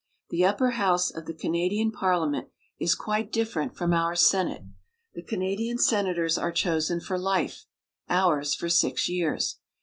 The upper house of the Canadian Padiament is quite TORONTO AND MONTREAL. 32 I different from our Senate. The Canadian senators are chosen for Hfe, ours for six years.